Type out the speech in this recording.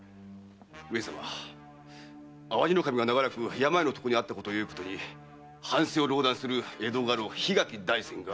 上様淡路守が長らく病の床にあったことをよいことに藩政を壟断する江戸家老・桧垣大膳が。